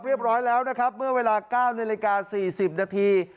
เรียบร้อยแล้วนะครับเมื่อเวลาเก้าในรายการสี่สิบนาที